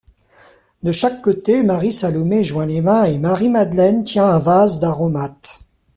De chaque côté Marie-Salomé joint les mains et Marie-Madeleine tient un vase d'aromates.